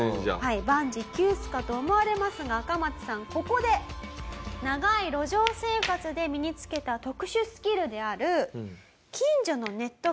万事休すかと思われますがアカマツさんここで長い路上生活で身に付けた特殊スキルである。